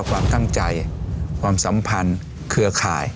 ความตั้งใจความสัมพันธ์เครือข่าย